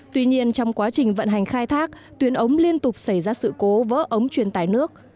tuy nhiên trong quá trình vận hành khai thác tuyến ống liên tục xảy ra sự cố vỡ ống truyền tải nước